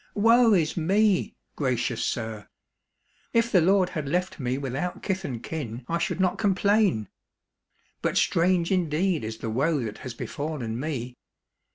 " Woe is me, gracious sir ! If the Lord had left me without kith and kin, I should not complain ; but strange indeed is the woe that has befallen me